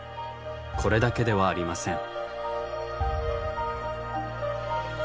これだけではありません。